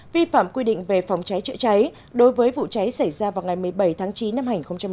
vi phạm quy định về phòng cháy chữa cháy đối với vụ cháy xảy ra vào ngày một mươi bảy tháng chín năm hai nghìn một mươi chín